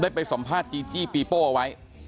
ไปสัมภาษณ์จีจี้ปีโป้เอาไว้